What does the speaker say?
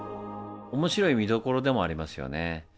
面白い見どころでもありますよね。